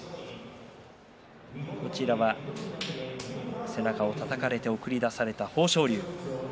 こちらは背中をたたかれて送り出された豊昇龍です。